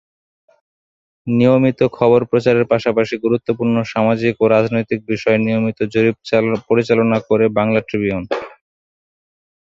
নিয়মিত খবর প্রচারের পাশাপাশি গুরুত্বপূর্ণ সামাজিক ও রাজনৈতিক বিষয়ে নিয়মিত জরিপ পরিচালনা করে বাংলা ট্রিবিউন।